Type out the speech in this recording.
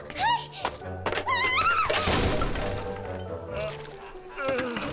あっあぁ。